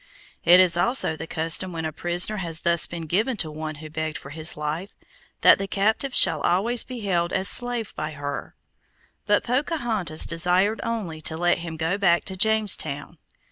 It is also the custom, when a prisoner has thus been given to one who begged for his life, that the captive shall always be held as slave by her; but Pocahontas desired only to let him go back to Jamestown.